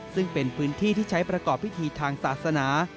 ซึ่งเป็นพื้นที่ที่ใช้ประกอบพิธีทางศาสนา